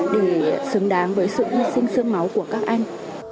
để xứng đáng với sự hy sinh sương máu của các anh